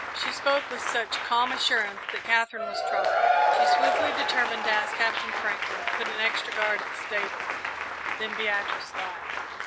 She spoke with such calm assurance that Katherine was troubled. She swiftly determined to ask Captain Franklin to put an extra guard at the stables, then Beatrice laughed.